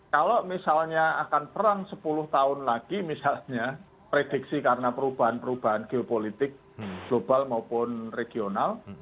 kalau misalnya akan perang sepuluh tahun lagi misalnya prediksi karena perubahan perubahan geopolitik global maupun regional